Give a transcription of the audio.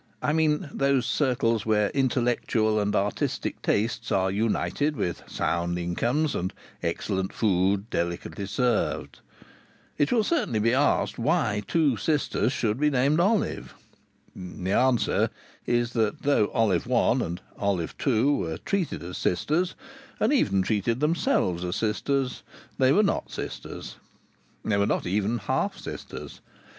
I mean those circles where intellectual and artistic tastes are united with sound incomes and excellent food delicately served. It will certainly be asked why two sisters should be named Olive. The answer is that though Olive One and Olive Two were treated as sisters, and even treated themselves as sisters, they were not sisters. They were not even half sisters.